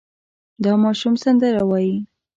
دا ماشوم سندره وايي.